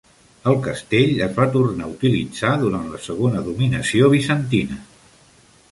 El castell es va tornar a utilitzar durant la segona dominació bizantina.